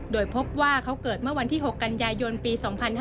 โดยพบว่าเขาเกิดเมื่อวันที่๖กันยายนปี๒๕๕๙